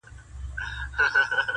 یار به ملا تړلی حوصلې د دل دل واغوندم-